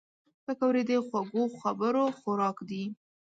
پکورې د خوږو خبرو خوراک دي